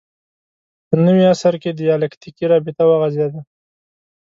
په نوي عصر کې دیالکتیکي رابطه وغځېده